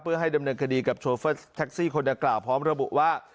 เพื่อให้ดำเนินคดีกับโชเฟอร์แท็กซี่คนดังกล่าวพร้อมระบุว่า